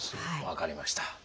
分かりました。